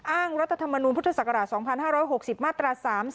รัฐธรรมนูลพุทธศักราช๒๕๖๐มาตรา๓๔